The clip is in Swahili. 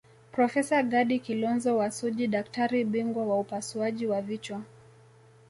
Profesa Gadi Kilonzo wa Suji daktari bingwa wa upasuaji wa vichwa